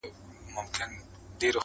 o په خوله خوږ، په کونه کوږ ٫